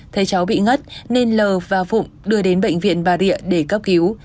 thấy cháu bị ngất nên l và phụng đưa đến bệnh viện bà rịa để cấp cứu